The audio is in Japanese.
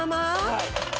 はい。